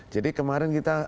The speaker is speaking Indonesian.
jadi kemarin kita ada emosi